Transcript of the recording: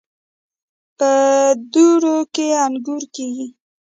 په درو کې انګور کیږي.